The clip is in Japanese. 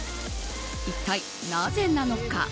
一体なぜなのか。